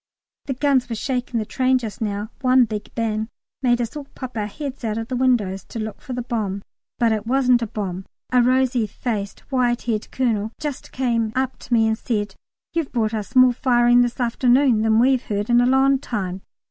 The guns were shaking the train just now; one big bang made us all pop our heads out of the window to look for the bomb, but it wasn't a bomb. A rosy faced white haired Colonel here just came up to me and said, "You've brought us more firing this afternoon than we've heard for a long time."